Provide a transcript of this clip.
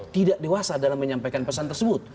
tidak dewasa dalam menyampaikan pesan tersebut